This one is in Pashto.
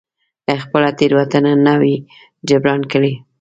خپله تېروتنه نه وي جبران کړې.